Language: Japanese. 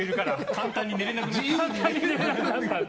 簡単に寝れなくなって。